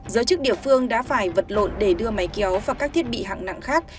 giới chức địa phương đã phải vật lộn để đưa máy kéo và các thiết bị hạng nặng khác